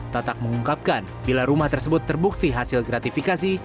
tatak mengungkapkan bila rumah tersebut terbukti hasil gratifikasi